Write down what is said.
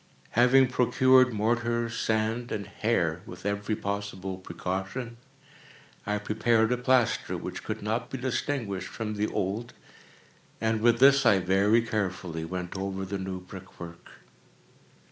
Having procured mortar, sand, and hair, with every possible precaution, I prepared a plaster which could not be distinguished from the old, and with this I very carefully went over the new brickwork.